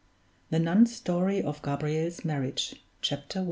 THE NUN'S STORY OF GABRIEL'S MARRIAGE CHAPTER I.